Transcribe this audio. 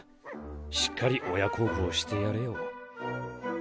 しっかり親孝行してやれよ。